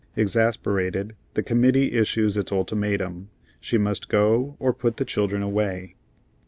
Exasperated, the committee issues its ultimatum: she must go, or put the children away.